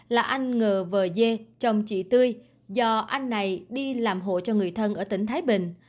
là anh ngờ vờ dê chồng chị tươi do anh này đi làm hộ cho người thân ở tỉnh thái bình